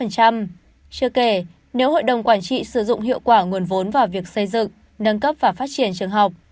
chưa kể nếu hội đồng quản trị sử dụng hiệu quả nguồn vốn vào việc xây dựng nâng cấp và phát triển trường học